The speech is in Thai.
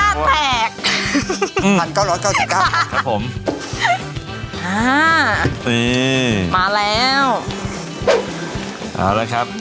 ถ้าแพกอืมครับผมอ่านี่มาแล้วเอาละครับ